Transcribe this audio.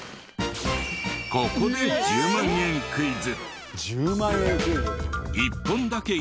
ここで１０万円クイズ。